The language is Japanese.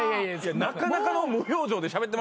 なかなかの無表情でしゃべってましたよ。